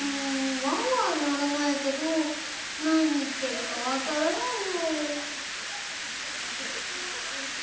わんわんならないけどなにいってるかわからないよ。